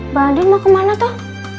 mbak andin mau kemana tuh